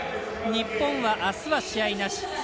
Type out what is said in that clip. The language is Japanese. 日本はあすは試合なし。